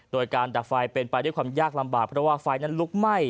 โดยการดับไฟเป็นไปด้วยความยากลำบากเพราะว่าไฟนั้นลุกไหม้